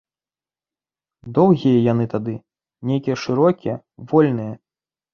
Доўгія яны тады, нейкія шырокія, вольныя.